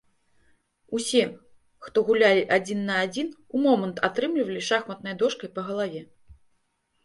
Усе, хто гулялі адзін на адзін, у момант атрымлівалі шахматнай дошкай па галаве.